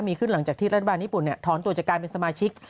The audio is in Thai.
มีขึ้นหลังจากที่รัฐบาลญี่ปุ่นถอนตัวจากการเป็นสมาชิก